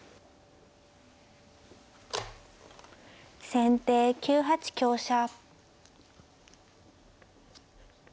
先手９八香車。